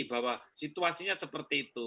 bahwa situasinya seperti itu